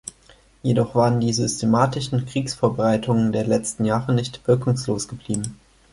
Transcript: Jedoch waren die systematischen Kriegsvorbereitungen der letzten Jahre nicht wirkungslos geblieben.